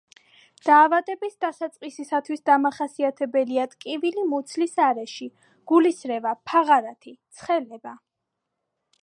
დაავადების დასაწყისისათვის დამახასიათებელია ტკივილი მუცლის არეში, გულისრევა, ფაღარათი, ცხელება.